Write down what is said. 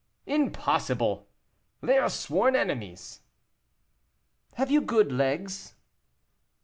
"Impossible! They are sworn enemies." "Have you good legs?"